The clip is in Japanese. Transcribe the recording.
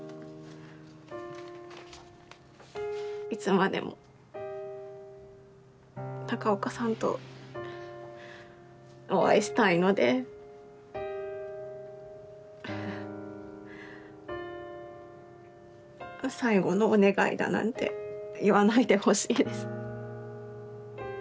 いつまでも中岡さんとお会いしたいので最後のお願いだなんて言わないでほしいです。